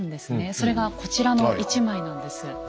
それがこちらの一枚なんです。